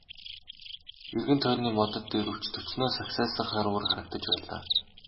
Эргэн тойрны модод дээр өч төчнөөн сагсайсан хар үүр харагдаж байлаа.